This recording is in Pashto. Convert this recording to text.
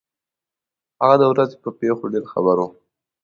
هغه د ورځې په پېښو ډېر خبر وو.